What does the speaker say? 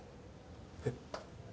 えっ？